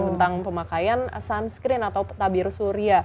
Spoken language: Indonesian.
tentang pemakaian sunscreen atau tabir surya